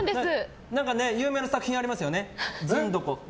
有名な作品ありますよね。